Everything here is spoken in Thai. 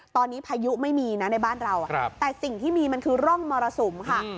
ตอนนี้พายุไม่มีนะในบ้านเราแต่สิ่งที่มีมันคือร่องมรสุมค่ะ